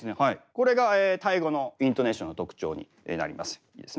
これがタイ語のイントネーションの特徴になります。